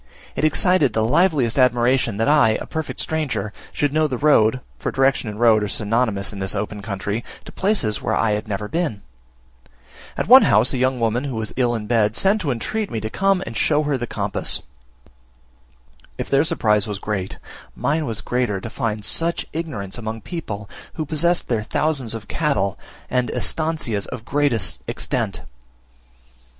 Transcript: It excited the liveliest admiration that I, a perfect stranger, should know the road (for direction and road are synonymous in this open country) to places where I had never been. At one house a young woman, who was ill in bed, sent to entreat me to come and show her the compass. If their surprise was great, mine was greater, to find such ignorance among people who possessed their thousands of cattle, and "estancias" of great extent.